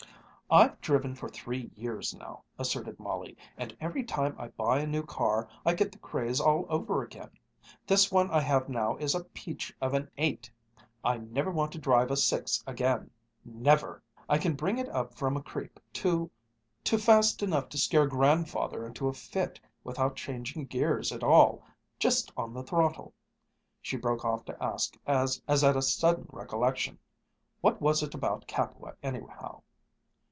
"I've driven for three years now," asserted Molly, "and every time I buy a new car I get the craze all over again. This one I have now is a peach of an eight. I never want to drive a six again, never! I can bring it up from a creep to to fast enough to scare Grandfather into a fit, without changing gears at all just on the throttle " She broke off to ask, as at a sudden recollection, "What was it about Capua, anyhow?"